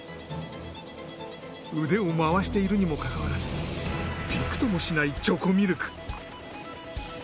腕を回しているにもかかわらずびくともしないチョコミルク。